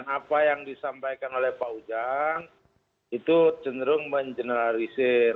apa yang disampaikan oleh pak ujang itu cenderung mengeneralisir